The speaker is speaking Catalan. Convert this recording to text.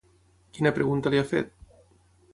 Quina pregunta li ha fet?